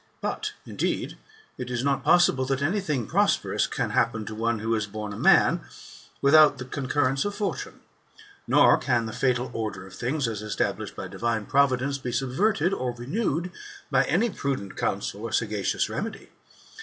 But, indeed, it is not possible that any thing prosperous can happen to one who is born a man without the Concurrence of Fortune ; nor can the fatal order of things, as established by Divine Provi GOLDEN ASS, OF APULEIUS. — BOOK IX. 1 43 « dence,^ be subverted or renewed by any prudent counsel or sagacious remedy.